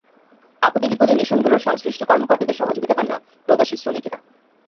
আপদে বিপদে মিশনগুলোর সংশ্লিষ্ট কর্মকর্তাদের সহযোগিতা পান না প্রবাসী শ্রমিকেরা।